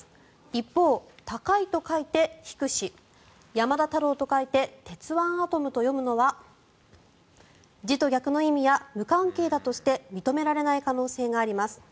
一方「高い」と書いて「ひくし」「山田太郎」と書いて「てつわんあとむ」と読むのは字と逆の意味や無関係だとして認められない可能性があります。